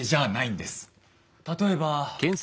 例えば。